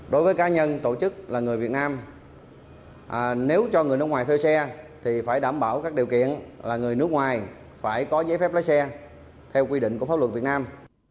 đối với cá nhân tổ chức là người việt nam nếu cho người nước ngoài thuê xe thì phải đảm bảo các điều kiện là người nước ngoài phải có giấy phép lái xe theo quy định của pháp luật việt nam